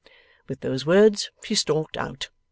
With those words she stalked out.